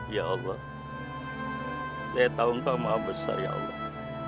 ya allah saya tahu enggak maha besar ya allah